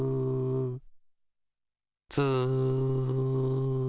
ツー。